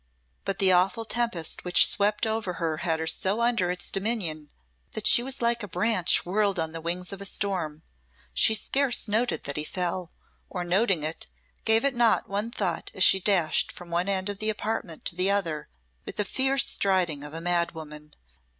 But the awful tempest which swept over her had her so under its dominion that she was like a branch whirled on the wings of the storm. She scarce noted that he fell, or noting it, gave it not one thought as she dashed from one end of the apartment to the other with the fierce striding of a mad woman.